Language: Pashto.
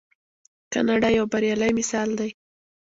کاناډا یو بریالی مثال دی.